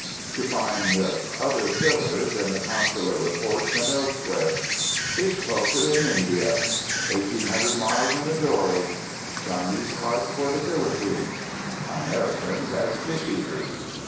To find other "fillers" in the consular reports and elsewhere: "Fish culture in India," "1800 Miles in a Dory," "Chinese Carp for the Philippines," "Americans as Fish Eaters."